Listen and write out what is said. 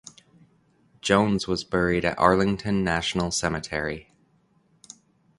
Jones was buried at Arlington National Cemetery.